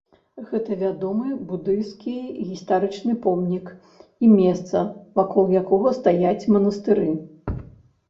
Гэта вядомы будысцкі гістарычны помнік і месца, вакол якога стаяць манастыры.